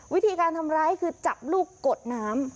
วิธีการทำร้ายคือจับลูกกดน้ำ